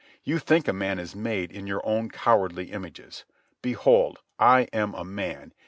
You think a man is made in your own cowardly images. Behold, I am a man.